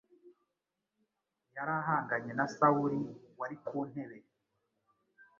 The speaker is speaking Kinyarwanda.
yari ahanganye na Sawuli wari ku ntebe